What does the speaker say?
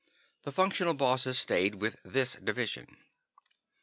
The functional bosses stayed with this division.